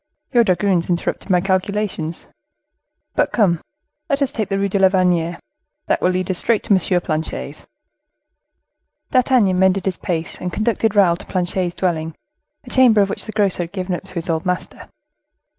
Your dragoons interrupted my calculations. But come, let us take the Rue de la Vannerie: that will lead us straight to M. Planchet's." D'Artagnan mended his pace, and conducted Raoul to Planchet's dwelling, a chamber of which the grocer had given up to his old master.